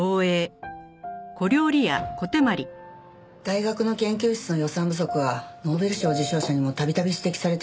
大学の研究室の予算不足はノーベル賞受賞者にもたびたび指摘されてます。